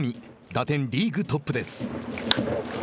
打点リーグトップです。